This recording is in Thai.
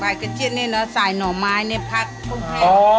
ใบกระเจี๊ยบนี่เนอะใส่หน่อไม้เนี่ยพักคลุมเครียม